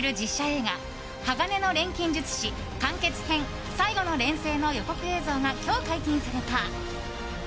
映画「鋼の錬金術師完結編最後の錬成」の予告映像が今日、解禁された。